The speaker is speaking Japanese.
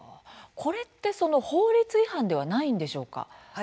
これって法律違反ではないんでしょうか？